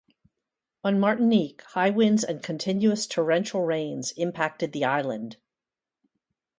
On Martinique, high winds and continuous, torrential rains impacted the island.